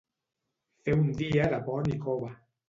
Fer un dia de pont i cova.